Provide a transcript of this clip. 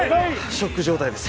ショック状態です